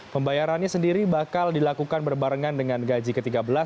pembayarannya sendiri bakal dilakukan berbarengan dengan gaji ke tiga belas